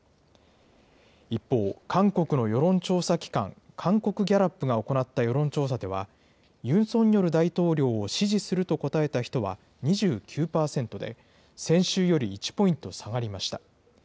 一方、韓国の世論調査機関、韓国ギャラップが行った世論調査では、ユン・ソンニョル大統領を支持すると答えた人は２９％で、先週より１ポイント下がりました。